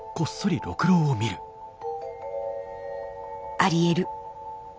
ありえる。